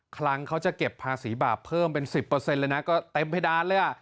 ครั้งเขาจะเก็บภาษีบาปเพิ่มเป็นสิบเปอร์เซ็นต์เลยนะก็เต็มเพดานเลยอ่ะ